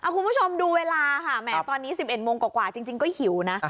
คุณผู้ชมดูเวลาค่ะแหมตอนนี้๑๑โมงกว่าจริงก็หิวนะ